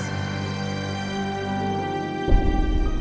yang gak waras